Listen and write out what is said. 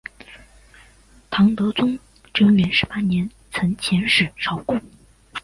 唐德宗贞元十八年曾遣使朝贡。